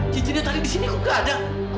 cincinnya tadi di sini kok gak ada